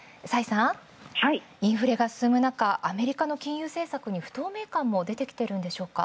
崔さん、インフレが進む中アメリカの政策に不透明感も出てきてるんでしょうか。